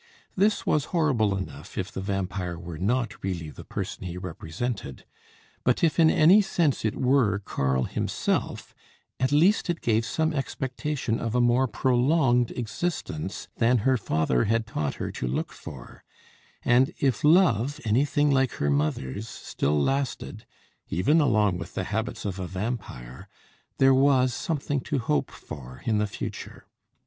This was horrible enough if the vampire were not really the person he represented; but if in any sense it were Karl himself, at least it gave some expectation of a more prolonged existence than her father had taught her to look for; and if love anything like her mother's still lasted, even along with the habits of a vampire, there was something to hope for in the future.